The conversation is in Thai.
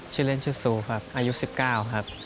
ชื่อเล่นชื่อซูครับอายุ๑๙ครับ